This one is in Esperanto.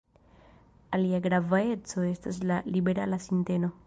Alia grava eco estas la liberala sinteno.